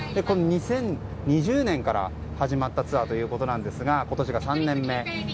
これは２０２０年から始まったツアーということなんですが今年が３年目。